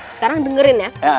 sekarang dengerin ya